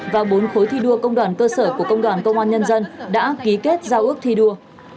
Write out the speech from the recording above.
và bốn khối thi đua công đoàn cơ sở của công đoàn công an nhân dân đã ký kết giao ước thi đua